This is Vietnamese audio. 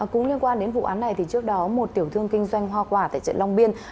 cũng liên quan đến vụ án này thì trước đó một tiểu thương kinh doanh hoa quả tại chợ long biên